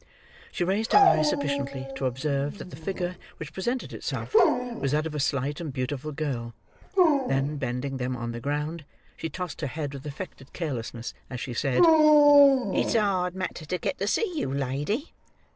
She raised her eyes sufficiently to observe that the figure which presented itself was that of a slight and beautiful girl; then, bending them on the ground, she tossed her head with affected carelessness as she said: "It's a hard matter to get to see you, lady.